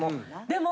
でも